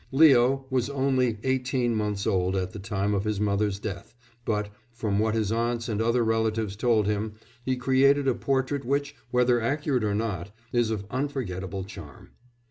Leo was only eighteen months old at the time of his mother's death, but, from what his aunts and other relatives told him, he created a portrait which, whether accurate or not, is of unforgettable charm.